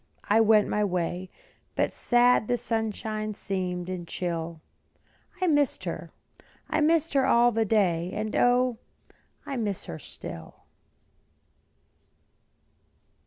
I went my way, But sad the sunshine seemed, and chill; I missed her, missed her all the day, And O, I miss her still.